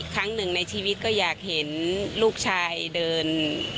ครั้งหนึ่งในชีวิตก็อยากเห็นลูกชายเดิน